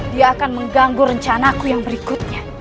dia akan mengganggu rencanaku yang berikutnya